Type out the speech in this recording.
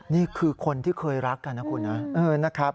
นี่คือคนที่เคยรักกันนะคุณนะนะครับ